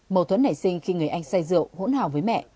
mâu thuẫn nảy sinh khi người anh say rượu hỗn hào với mẹ